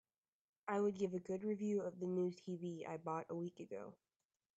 I would give a good review of the new TV I bought a week ago.